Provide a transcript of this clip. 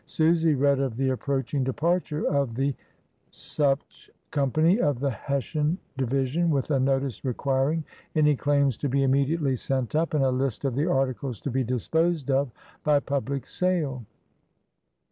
Susy read of the approach ng departure of the Company of the Hessian Division, with a notice requiring any claims to be mmediately sent up, and a list of the articles to be iisposed of by public sale.